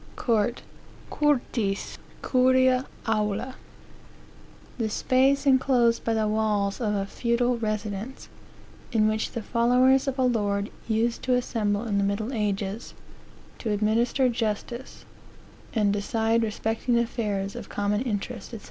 "Court, (curtis, curia aula); the space enclosed by the walls of a feudal residence, in which the followers of a lord used to assemble in the middle ages, to administer justice, and decide respecting affairs of common interest, &c.